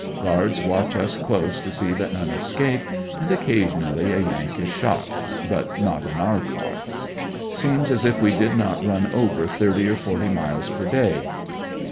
Guards watch us close to see that none escape, and occasionally a Yank is shot, but not in our car. Seems as if we did not run over thirty or forty miles per day.